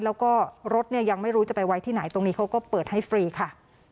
แล้วก็รถเนี่ยยังไม่รู้จะไปไว้ที่ไหนตรงนี้เขาก็เปิดให้ฟรีค่ะ